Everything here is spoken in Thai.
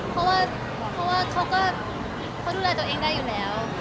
เพราะว่าเขาก็เขาดูแลตัวเองได้อยู่แล้ว